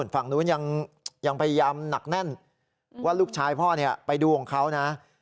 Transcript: ฝั่งนู้นยังพยายามหนักแน่นว่าลูกชายพ่อไปดูของเขานะ